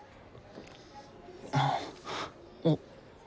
あっ。